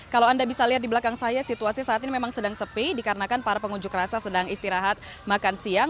kalau anda bisa lihat di belakang saya situasi saat ini memang sedang sepi dikarenakan para pengunjuk rasa sedang istirahat makan siang